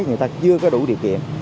người ta chưa có đủ điều kiện